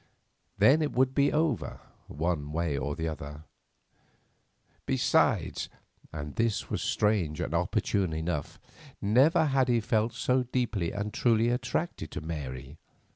Then it would be over, one way or the other. Besides, and this was strange and opportune enough, never had he felt so deeply and truly attracted to Mary.